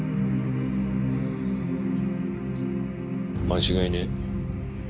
間違いねえ。